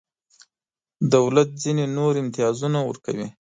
دولت ځینې نور ځانګړي امتیازونه ورکوي.